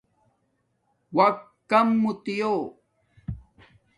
وقت کم موتیو